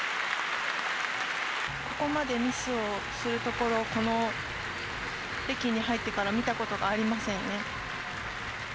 ここまでミスをするところ、この北京に入ってから見たことがありませんね。